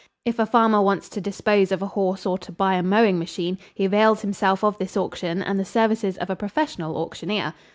If a farmer wants to dispose of a horse or to buy a mowing machine, he avails himself of this auction and the services of a professional auctioneer.